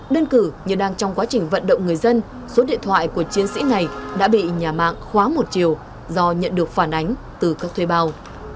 đơn cử như đang trong quá trình vận động người dân số điện thoại của chiến sĩ này đã bị nhà mạng khóa một chiều do nhận được phản ánh từ các thuê bào